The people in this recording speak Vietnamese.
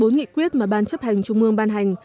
bốn nghị quyết mà ban chấp hành trung mương ban hành